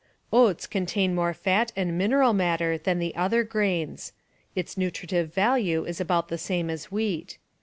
Oats contain more fat and mineral matter than the other grains. Its nutritive value is about the same as wheat.